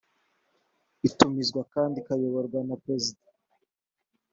itumizwa kandi ikayoborwa na perezida